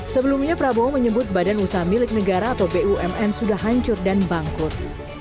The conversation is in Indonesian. sebelumnya prabowo menyebut badan usaha milik negara atau bumn sudah hancur dan bangkrut